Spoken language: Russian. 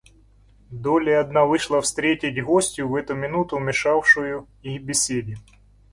Долли одна вышла встретить гостью, в эту минуту мешавшую их беседе.